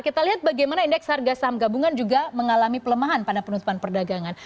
kita lihat bagaimana indeks harga saham gabungan juga mengalami pelemahan pada penutupan perdagangan